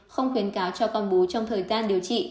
không khuyến cáo cho con bú trong thời gian điều trị